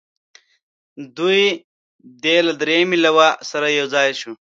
دوی دې له دریمې لواء سره یو ځای شي.